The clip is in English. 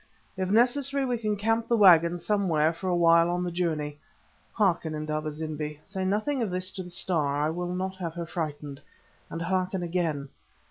If necessary we can camp the waggons somewhere for a while on the journey. Hearken, Indaba zimbi: say nothing of this to the Star; I will not have her frightened. And hearken again.